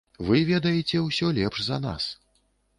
Вы ведаеце ўсё лепш за нас.